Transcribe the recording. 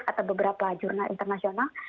kata beberapa jurnal internasional